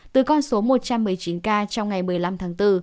từ con số một trăm một mươi chín ca trong ngày một mươi năm tháng bốn